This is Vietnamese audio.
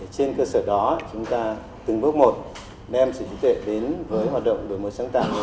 trên cơ sở đó chúng ta từng bước một đem sở hữu trí tuệ đến với hoạt động đổi mới sáng tạo